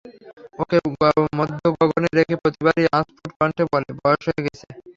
ওকে মধ্য গগনে রেখে প্রতিবারই অস্ফুট কণ্ঠে বলে, বয়স হয়ে গেছে।